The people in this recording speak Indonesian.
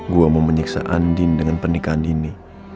gue mau menyiksa andin dengan penikahan ini